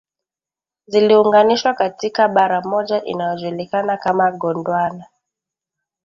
ziliunganishwa katika bara moja inayojulikana kama Gondwana